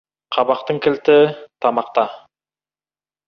Қабақтың кілті тамақта.